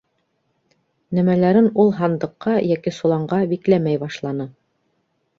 Нәмәләрен ул һандыҡҡа йәки соланға бикләмәй башланы.